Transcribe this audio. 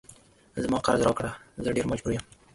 زما قرض راکړه زه ډیر مجبور یم